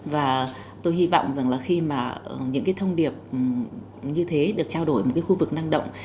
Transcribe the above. và tôi hy vọng rằng là khi mà những cái thông điệp như thế được trao đổi một cái khu vực năng động